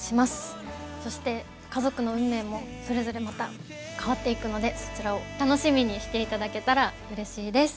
そして家族の運命もそれぞれまた変わっていくのでそちらを楽しみにして頂けたらうれしいです。